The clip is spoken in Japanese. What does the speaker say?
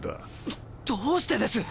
どどうしてです？